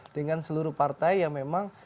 dengan seluruh partai yang memang